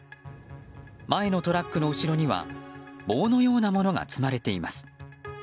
前のトラックの後ろには棒のようなものが積まれています。